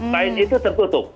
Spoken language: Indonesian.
lain itu tertutup